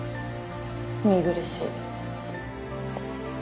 見苦しい。